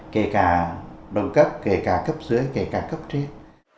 kể cả đồng cấp kể cả cấp dưới kể cả cấp trên